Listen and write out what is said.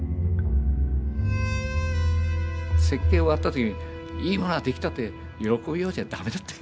設計終わった時にいいものが出来たって喜ぶようじゃ駄目だって。